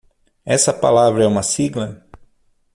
Essa palavra é uma sigla?